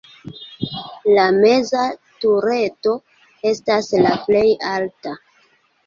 La meza tureto estas la plej alta.